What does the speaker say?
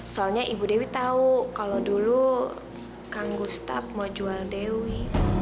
soalnya ibu dewi tahu kalau dulu kang gustaf mau jual dewi